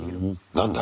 何だ？